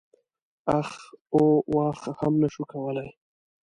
اخ او واخ هم نه شم کولای.